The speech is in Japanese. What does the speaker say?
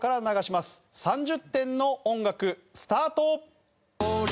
３０点の音楽スタート。